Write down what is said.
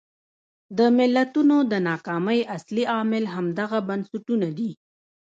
د ملتونو د ناکامۍ اصلي عامل همدغه بنسټونه دي.